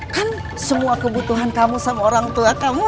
kan semua kebutuhan kamu sama orang tua kamu